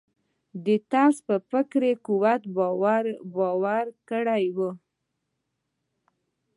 د طرزي پر فکري قوت باوري کړي یو.